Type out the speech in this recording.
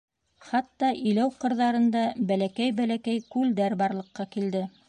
Хатта иләү ҡырҙарында бәләкәй-бәләкәй күлдәр барлыҡҡа килде.